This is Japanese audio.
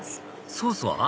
ソースは？